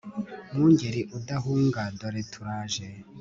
mwungeri udahunga dore turaje